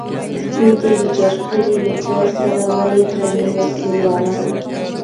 نه دی ویجاړ کړی، له پله سره ولې درنې وسلې والا.